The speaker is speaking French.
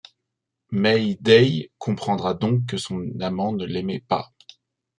May Day comprendra donc que son amant ne l’aimait pas.